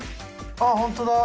あっ本当だ！